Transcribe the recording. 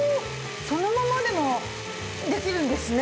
そのままでもできるんですね。